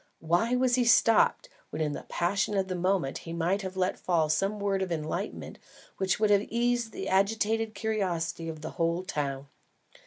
Why was he stopped, when in the passion of the moment, he might have let fall some word of enlightenment which would have eased the agitated curiosity of the whole town!